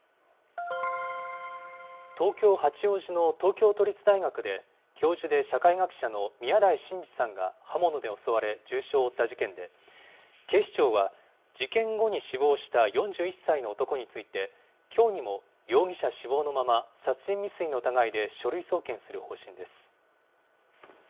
東京・八王子の東京都立大学で、教授で社会学者の宮台真司さんが刃物で襲われ、重傷を負った事件で、警視庁は、事件後に死亡した４１歳の男について、きょうにも容疑者死亡のまま、殺人未遂の疑いで書類送検する方針です。